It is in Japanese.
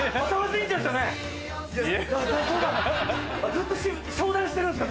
ずっと商談してるんすか？